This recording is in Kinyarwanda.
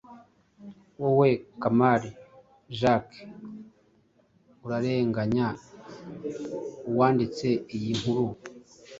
wowe Kamali Jacques urarenganya uwanditse iyi nkuru